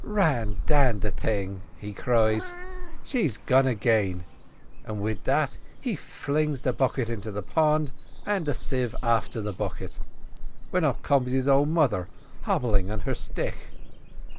"'Ran dan the thing!' he cries, 'she's gone again;' an' wid that he flings the bucket into the pond, and the sieve afther the bucket, when up comes his old mother hobbling on her stick.